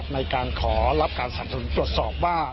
ในการขอรับการสนับสนุนตรวจสอบว่า